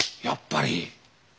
やっぱり。